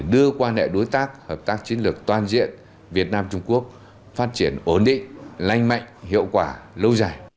đưa quan hệ đối tác hợp tác chiến lược toàn diện việt nam trung quốc phát triển ổn định lanh mạnh hiệu quả lâu dài